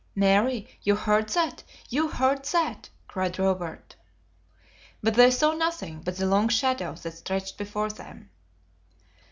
"Mary, you heard that? You heard that?" cried Robert. But they saw nothing but the long shadow that stretched before them.